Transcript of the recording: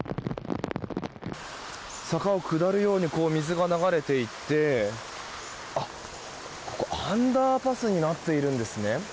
坂を下るように水が流れていてここ、アンダーパスになっているんですね。